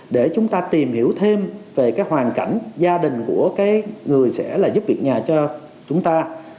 để chúng ta tìm hiểu thêm về cái hoàn cảnh gia đình của cái người sẽ là giúp việc nhà cho chúng ta